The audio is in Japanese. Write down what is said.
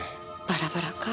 バラバラか。